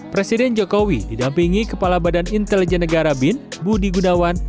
presiden jokowi didampingi kepala badan intelijen negara bin budi gunawan